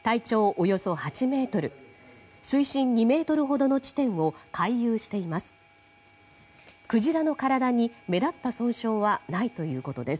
およそ８ｍ水深２ｍほどの地点を回遊しています。